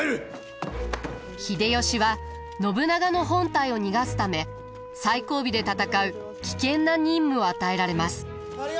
秀吉は信長の本隊を逃がすため最後尾で戦う危険な任務を与えられます。